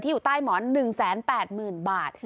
อยู่ใต้หมอน๑๘๐๐๐บาท